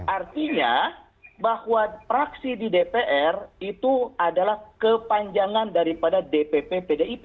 artinya bahwa praksi di dpr itu adalah kepanjangan daripada dpp pdip